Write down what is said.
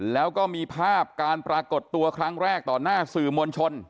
แล้วก็มีภาพการปรากฏตัวครั้งแรกต่อหน้าสื่อมวลชน